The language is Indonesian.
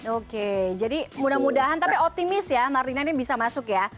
oke jadi mudah mudahan tapi optimis ya marlina ini bisa masuk ya